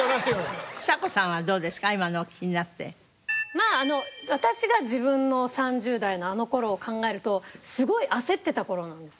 まあ私が自分の３０代のあの頃を考えるとすごい焦ってた頃なんです。